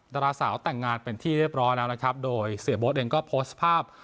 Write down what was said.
ดาราสาวแต่งงานเป็นที่เรียบร้อยแล้วนะครับโดยเสียโบ๊ทเองก็โพสต์ภาพ